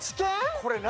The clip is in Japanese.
これ何？